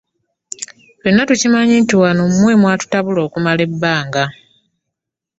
Ffenna tukimanyi nti wano mmwe mwatutabula okumala ebbanga.